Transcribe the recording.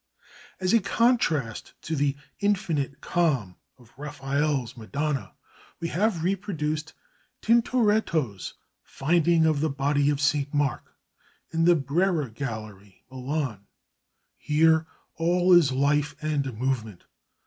As a contrast to the infinite calm of Raphael's "Madonna," we have reproduced Tintoretto's "Finding of the Body of St. Mark," in the Brera Gallery, Milan. Here all is life and movement.